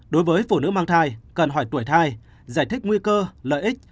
đối với phụ nữ mang thai cần hỏi tuổi thai giải thích nguy cơ lợi ích